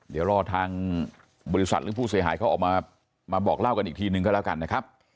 เดี๋ยวรอทางบริษัทหรือผู้เสียหายเขาออกมามาบอกเล่ากันอีกทีนึงก็แล้วกันนะครับ